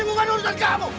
ini bukan urusan kamu